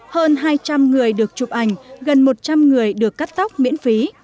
hơn hai trăm linh người được chụp ảnh gần một trăm linh người được cắt tóc miễn phí